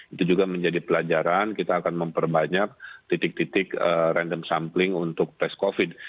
itu juga menjadi pelajaran kita akan memperbanyak titik titik random sampling untuk tes covid